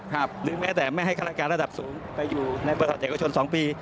หรือแม้แต่ไม่ให้ฆาตการณ์ระดับสูงไปอยู่ในประเทศเจ้าชน๒ปี